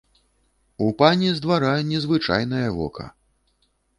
У пані з двара незвычайнае вока.